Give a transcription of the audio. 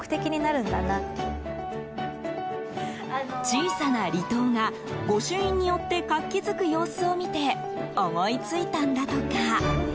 小さな離島が、御朱印によって活気付く様子を見て思いついたんだとか。